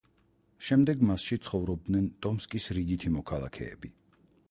შემდეგ მასში ცხოვრობდნენ ტომსკის რიგითი მოქალაქეები.